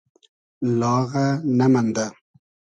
لاغۂ نئمئندۂ